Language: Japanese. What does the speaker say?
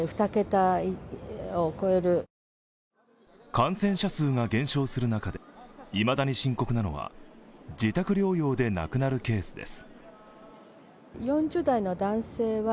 感染者数が減少する中で、いまだに深刻なのは自宅療養で亡くなるケースです。